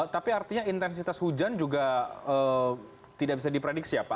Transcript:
tapi artinya intensitas hujan juga tidak bisa diprediksi ya pak